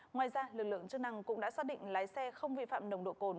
ngoài ra lực lượng chức năng cũng đã xác định lái xe không vi phạm nồng độ cồn